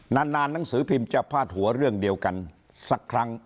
นานหนังสือพิมพ์จะพาดหัวเรื่องเดียวกันสักครั้ง